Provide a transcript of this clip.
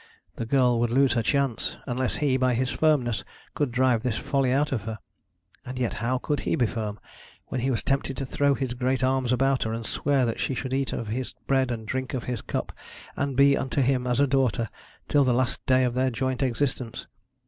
The girl would lose her chance, unless he, by his firmness, could drive this folly out of her. And yet how could he be firm, when he was tempted to throw his great arms about her, and swear that she should eat of his bread and drink of his cup, and be unto him as a daughter, till the last day of their joint existence.